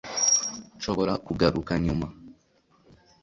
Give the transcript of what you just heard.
Nshobora kugaruka nyuma